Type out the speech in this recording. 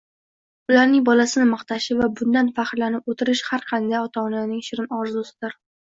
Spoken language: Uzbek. ularning bolasini maqtashi va bundan faxrlanib o‘tirish har qanday ota-onaning shirin orzusidir.